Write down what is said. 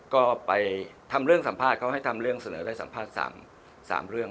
ก็ไปทำเรื่องสามารถเขาให้ทำเรื่องเสนอได้สผัส๓เรื่อง